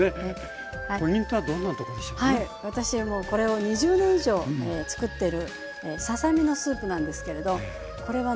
私もうこれを２０年以上つくってるささ身のスープなんですけれどこれはね